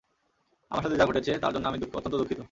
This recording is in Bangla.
আপনার সাথে যা ঘটেছে, তার জন্য আমি অত্যন্ত দুঃখিত।